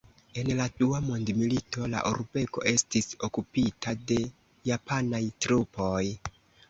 En la dua mondmilito la urbego estis okupita de japanaj trupoj.